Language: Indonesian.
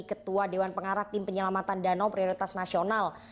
ketua dewan pengarah tim penyelamatan danau prioritas nasional